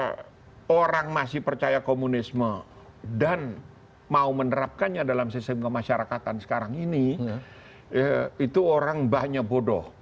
karena orang masih percaya komunisme dan mau menerapkannya dalam sistem kemasyarakatan sekarang ini itu orang banyak bodoh